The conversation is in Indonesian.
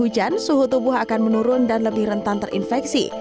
sementara jika anak bermain hujan suhu tubuh akan menurun dan lebih rentan terinfeksi